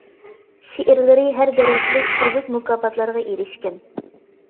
شېئىرلىرى ھەر دەرىجىلىك تۈرلۈك مۇكاپاتلارغا ئېرىشكەن.